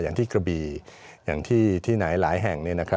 อย่างที่กระบีอย่างที่ที่ไหนหลายแห่งนี้นะครับ